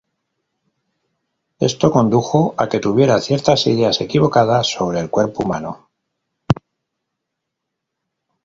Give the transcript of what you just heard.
Esto condujo a que tuviera ciertas ideas equivocadas sobre el cuerpo humano.